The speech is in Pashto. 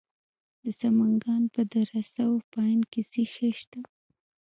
د سمنګان په دره صوف پاین کې څه شی شته؟